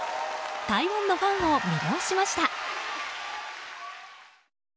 台湾のファンを魅了しました。